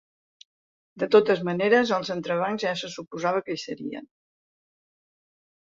De totes maneres, els entrebancs ja se suposava que hi serien.